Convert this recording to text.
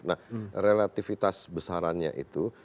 nah relatifitas besarannya itu